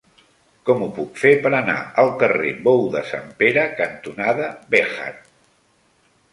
Com ho puc fer per anar al carrer Bou de Sant Pere cantonada Béjar?